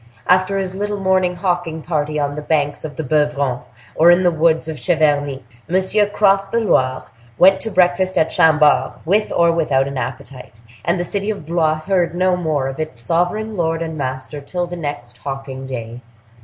After his little morning hawking party on the banks of the Beuvron, or in the woods of Cheverny, Monsieur crossed the Loire, went to breakfast at Chambord, with or without an appetite, and the city of Blois heard no more of its sovereign lord and master till the next hawking day.